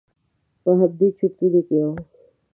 په همدې چرتونو کې وم.